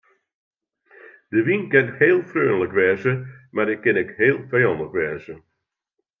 De wyn kin heel freonlik wêze mar hy kin ek heel fijannich wêze.